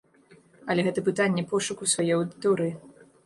Але гэта пытанне пошуку сваёй аўдыторыі.